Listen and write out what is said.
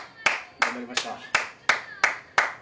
頑張りました。